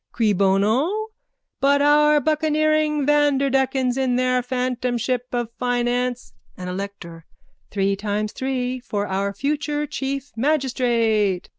Cui bono? But our bucaneering Vanderdeckens in their phantom ship of finance... AN ELECTOR: Three times three for our future chief magistrate!